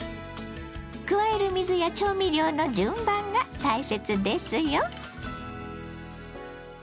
加える水や調味料の順番が大切ですよ。